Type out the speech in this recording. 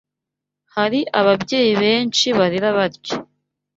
Hari ababyeyi benshi barera batyo